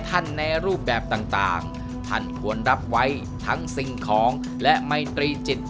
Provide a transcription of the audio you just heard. ในรูปแบบต่างท่านควรรับไว้ทั้งสิ่งของและไมตรีจิต